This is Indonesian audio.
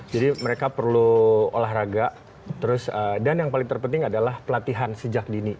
jadi mereka perlu olahraga dan yang paling terpenting adalah pelatihan sejak dini